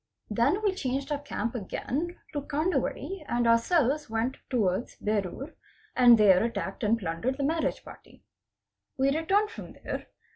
Then we changed our camp again to Kandwadi and ourselves went towards Berur and there attacked and plundered the marriage party. We returned from there.